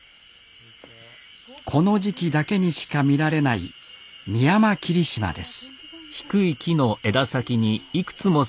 この時期だけにしか見られないミヤマキリシマです